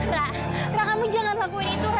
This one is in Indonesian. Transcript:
ra ra kamu jangan lakuin itu ra